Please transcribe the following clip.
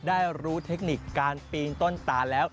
ได้รู้เทคนิคการปีนต้นตาแล้ว